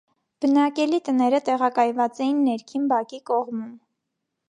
Բնակելի տները տեղակայված էին ներքին բակի կողմում։